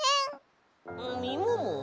みもも？